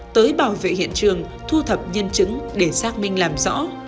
tới bảo vệ hiện trường thu thập nhân chứng để xác minh làm rõ